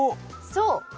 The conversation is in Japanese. そう。